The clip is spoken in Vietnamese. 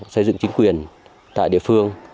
xây dựng chính quyền tại địa phương